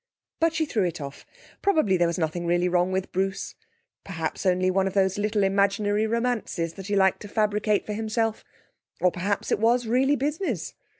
But she threw it off. Probably there was nothing really wrong with Bruce; perhaps only one of those little imaginary romances that he liked to fabricate for himself; or, perhaps, it was really business?